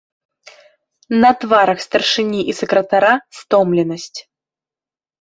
На тварах старшыні і сакратара стомленасць.